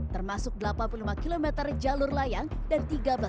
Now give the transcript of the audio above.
termasuk delapan perjalanan